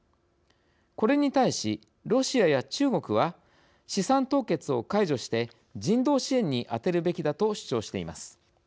これに対し、ロシアや中国は資産凍結を解除して人道支援に充てるべきだと主張しています。